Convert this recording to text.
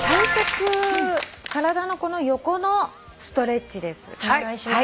体のこの横のストレッチです。